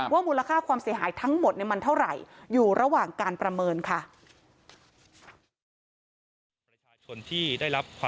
มูลค่าความเสียหายทั้งหมดมันเท่าไหร่อยู่ระหว่างการประเมินค่ะ